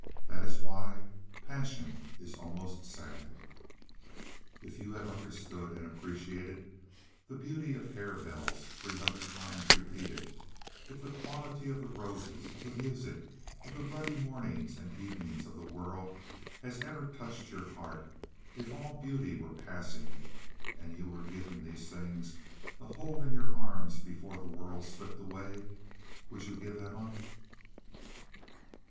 That is why passion is almost sad." If you have understood and appreciated the beauty of harebells three hundred times repeated; if the quality of the roses, of the music, of the ruddy mornings and evenings of the world has ever touched your heart; if all beauty were passing, and you were given these things to hold in your arms before the world slipped away, would you give them up?